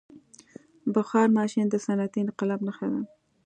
• بخار ماشین د صنعتي انقلاب نښه ده.